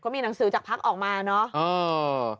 มีหนังสือจากภักดิ์ออกมาเนาะ